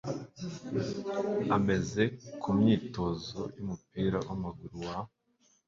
ameze kumyitozo yumupira wamaguru wa